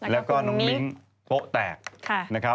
แล้วก็น้องมิ๊งโปะแตก